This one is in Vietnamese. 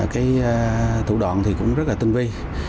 cái thủ đoạn thì cũng rất là tinh vi